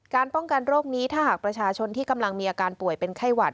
ป้องกันโรคนี้ถ้าหากประชาชนที่กำลังมีอาการป่วยเป็นไข้หวัด